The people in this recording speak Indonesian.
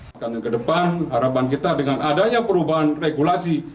sekarang ke depan harapan kita dengan adanya perubahan regulasi